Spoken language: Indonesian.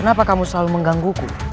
kenapa kamu selalu mengganggu ku